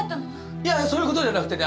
いやそういう事じゃなくてね